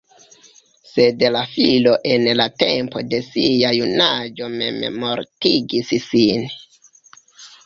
Sed la filo en la tempo de sia junaĝo memmortigis sin.